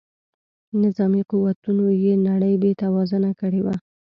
نظامي قوتونو یې نړۍ بې توازونه کړې وه.